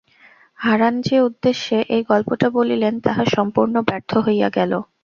হারান যে উদ্দেশ্যে এই গল্পটা বলিলেন তাহা সম্পূর্ণ ব্যর্থ হইয়া গেল।